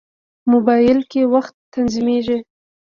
موبایل کې وخت تنظیمېږي.